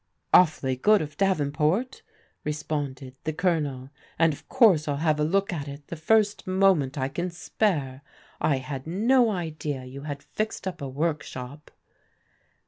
" Awfully good of Davenport," responded the Colo nel, " and of course I'll have a look at it the first mo ment I can spare. I had no idea you had fixed up a workshop."